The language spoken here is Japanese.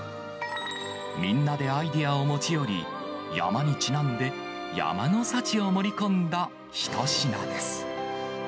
みんなでアイデアを持ち寄り、山にちなんで、山の幸を盛り込んだ一品です。